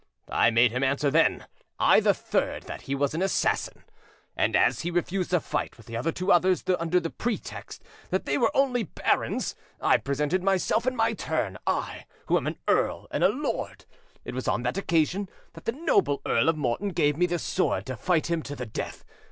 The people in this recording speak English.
I made him answer then, I the third, that he was an assassin. And as he refused to fight with the two others under the pretext that they were only barons, I presented myself in my turn, I who am earl and lord. It was on that occasion that the noble Earl of Morton gave me this good sword to fight him to the death.